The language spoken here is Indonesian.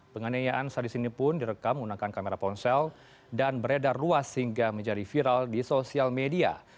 penganiayaan sadis ini pun direkam menggunakan kamera ponsel dan beredar luas hingga menjadi viral di sosial media